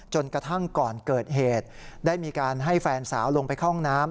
จนกระทั่งก่อนเกิดเหตุได้มีการให้แฟนสาวลงไปเข้าห้องน้ำ